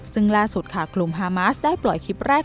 ซึ่งล่าสุดค่ะกลุ่มฮามาสได้ปล่อยคลิปแรก